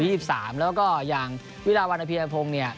แล้วก็อย่างวิลาวันอพีมพรงศ์